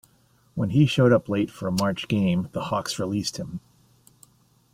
When he showed up late for a March game, the Hawks released him.